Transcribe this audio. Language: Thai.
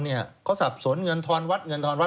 เขาสับสนเงินธรณวัตตร์